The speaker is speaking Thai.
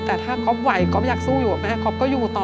แต่พ่อกรอบไวก๊อปอยากสู้กับแม่ก็รออยู่ต่อ